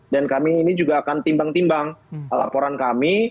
dan kami ini juga akan timbang timbang laporan kami